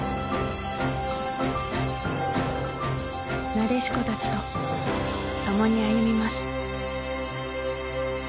なでしこたちと共に歩みます。